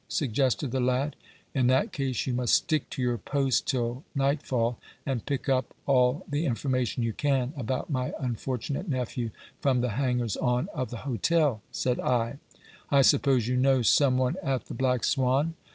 suggested the lad. "In that case you must stick to your post till nightfall, and pick up all the information you can about my unfortunate nephew from the hangers on of the hotel," said I. "I suppose you know some one at the Black Swan?"